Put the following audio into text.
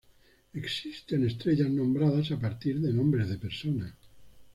Existen estrellas nombradas a partir de nombres de personas.